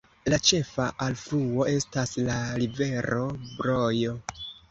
La ĉefa alfluo estas la rivero Brojo.